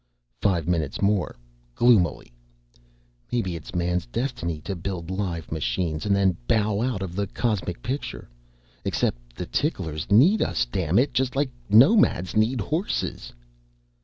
Five minutes more, gloomily: "Maybe it's man's destiny to build live machines and then bow out of the cosmic picture. Except the ticklers need us, dammit, just like nomads need horses."